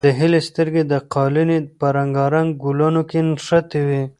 د هیلې سترګې د قالینې په رنګارنګ ګلانو کې نښتې وې.